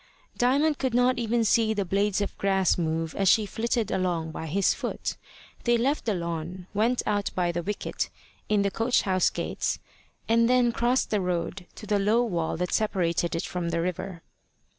Diamond could not even see the blades of grass move as she flitted along by his foot. They left the lawn, went out by the wicket in the coach house gates, and then crossed the road to the low wall that separated it from the river.